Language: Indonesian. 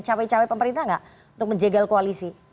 cawai cawai pemerintah gak untuk menjegal koalisi